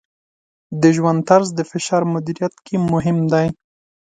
د ژوند طرز د فشار مدیریت کې مهم دی.